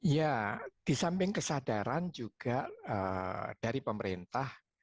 ya di samping kesadaran juga dari pemerintah